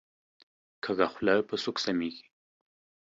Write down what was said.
کږه خوله په سوک سمیږي